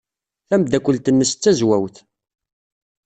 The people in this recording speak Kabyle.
Tameddakelt-nnes d tazwawt.